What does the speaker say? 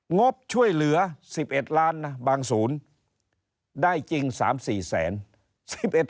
งบช่วยเหลือ๑๑ล้านนะบางศูนย์ได้จริง๓๔แสน